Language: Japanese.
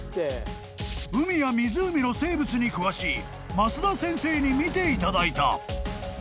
［海や湖の生物に詳しい益田先生に見ていただいた］